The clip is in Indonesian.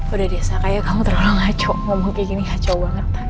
udah deh sakai kamu terlalu ngaco ngomong kayak gini ngaco banget